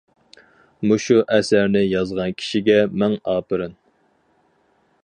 مۇشۇ ئەسەرنى يازغان كىشىگە مىڭ ئاپىرىن.